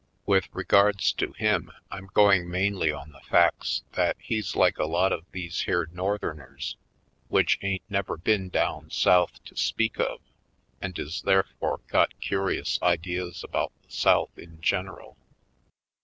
With regards to him I'm going mainly on the facts that he's like a lot of these here Northerners which ain't never been down South to speak of, and is therefore got curi ous ideas about the South in general.